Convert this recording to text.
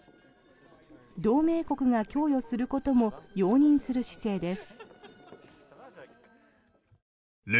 同盟国が供与することも容認する姿勢です。